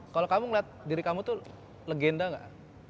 kalau kamu lihat diri kamu tuh legenda gak